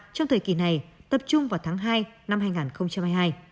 trong thời kỳ này tập trung vào tháng hai năm hai nghìn hai mươi hai